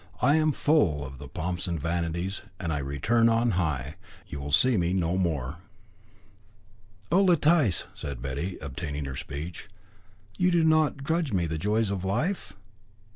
I am full of the pomps and vanities, and I return on high. You will see me no more." "Oh, Letice," said Betty, obtaining her speech, "you do not grudge me the joys of life?"